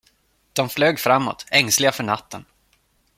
De flög framåt, ängsliga för natten.